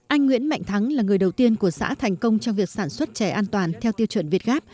anh nguyễn mạnh thắng là người đầu tiên của xã thành công trong việc sản xuất trẻ an toàn theo tiêu chuẩn việt gáp